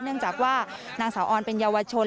เนื่องจากว่านางสาวออนเป็นเยาวชน